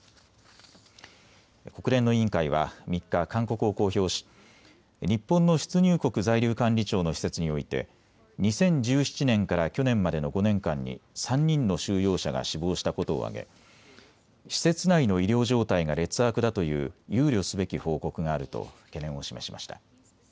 国連の委員会は３日、勧告を公表し、日本の出入国在留管理庁の施設において２０１７年から去年までの５年間に３人の収容者が死亡したことを挙げ、施設内の医療状態が劣悪だという憂慮すべき報告があると懸念を示しました。